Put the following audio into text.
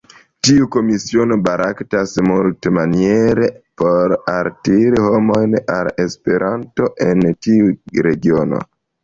Tiu komisiono baraktas multmaniere por altiri homojn al Esperanto en tiu regiono.